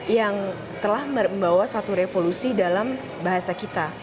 yang telah membawa suatu revolusi dalam bahasa kita